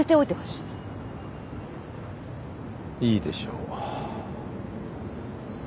いいでしょう。